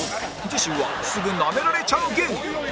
次週はすぐナメられちゃう芸人